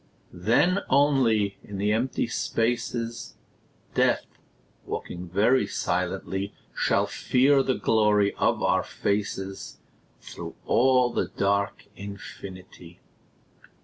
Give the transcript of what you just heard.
Then only in the empty spaces, Death, walking very silently, Shall fear the glory of our faces Through all the dark infinity.